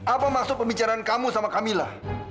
apa maksud pembicaraan kamu sama kamilah